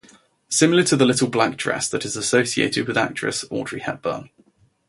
Similar to the Little Black Dress that is associated with actress Audrey Hepburn.